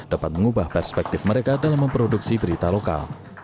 dapat mengubah perspektif mereka dalam memproduksi berita lokal